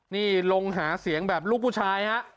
นี่ลงหาเสียงแบบลูกผู้ชายฮะ